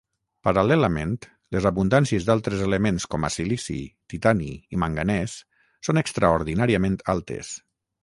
Paral·lelament, les abundàncies d'altres elements com a silici, titani i manganès, són extraordinàriament altes.